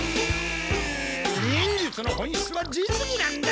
忍術の本質は実技なんだ！